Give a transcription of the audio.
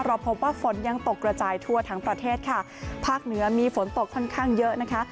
เราพบว่าฝนยังตกกระจายทั่วทั้งประเทศค่ะภาคเหนือมีฝนตกค่อนข้างเยอะนะคะ